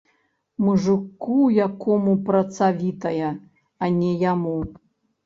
Мужыку якому працавітая, а не яму!